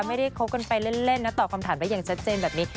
ไม่ได้คบกันไปเล่นนะตอบคำถามได้อย่างชัดเจนแบบนี้